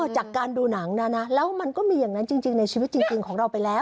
จากการดูหนังนะนะแล้วมันก็มีอย่างนั้นจริงในชีวิตจริงของเราไปแล้ว